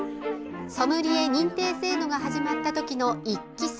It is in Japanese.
ソムリエ認定制度が始まった時の１期生。